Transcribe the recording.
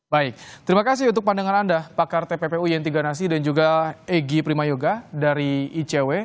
baik terima kasih untuk pandangan anda pakar tppu yenti ganasi dan juga egy prima yoga dari icw